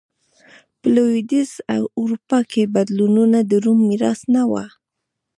په لوېدیځه اروپا کې بدلونونه د روم میراث نه و